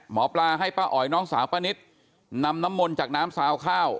หมอปลาให้ป้าอ๋อยน้องสาวป้านิตนำน้ำมนต์จากน้ำซาวข้าว